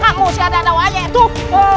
kamu si ada ada wajek tuh